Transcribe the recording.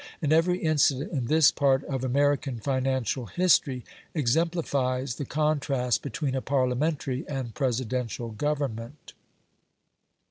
And every incident in this part of American financial history exemplifies the contrast between a Parliamentary and Presidential government.